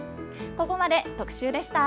ここまで特集でした。